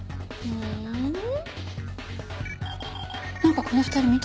うん。